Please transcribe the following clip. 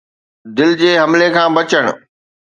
دل جي حملي کان بچڻ